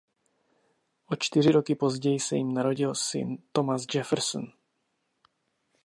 O čtyři roky později se jim narodil syn Thomas Jefferson.